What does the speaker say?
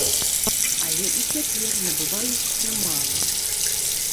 Але і цяпер набываюць нямала.